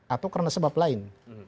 atau karena sebab lain